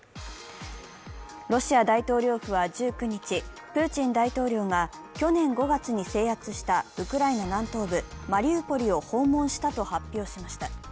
ロシア大統領府は１９日、プーチン大統領が去年５月に制圧したウクライナ南東部、マリウポリを訪問したと発表しました。